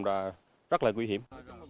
rất là nguy hiểm